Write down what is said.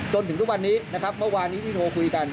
จนถึงทุกวันนี้นะครับเมื่อวานนี้ที่โทรคุยกัน